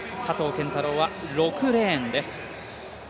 拳太郎は６レーンです。